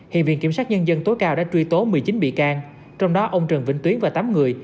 hiện viện kiểm sát nhân dân tối cao đã truy tố một mươi chín bị can trong đó ông trần vĩnh tuyến và tám người